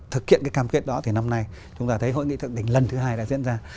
thực hiện cái cam kết đó thì năm nay chúng ta thấy hội nghị thượng đỉnh lần thứ hai đã diễn ra